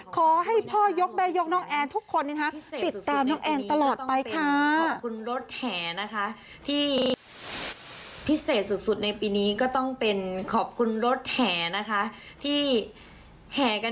ขอให้พ่อยกใบยกน้องแอนทุกคนนะฮะ